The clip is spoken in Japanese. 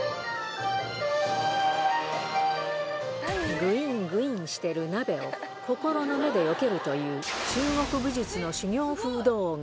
ぐぃんぐぃんしてる鍋を、心の目でよけるという中国武術の修行風動画。